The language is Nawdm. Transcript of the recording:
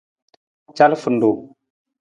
Calafarung.